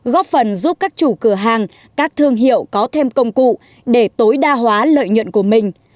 góp phần giúp các chủ cửa hàng các thương hiệu có thêm công cụ để tối đa hóa lợi nhuận của mình